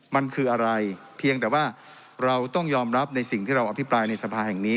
มันคืออะไรเพียงแต่ว่าเราต้องยอมรับในสิ่งที่เราอภิปรายในสภาแห่งนี้